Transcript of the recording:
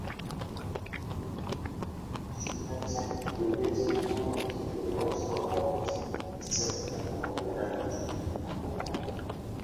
Each character's pre-death monologue is also removed, except that of Clarence and Buckingham.